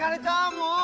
もう！